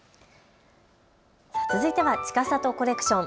続いては、ちかさとコレクション。